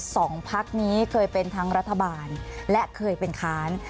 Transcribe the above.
สองพักนี้เคยเป็นทั้งรัฐบาลและเคยเป็นค้าน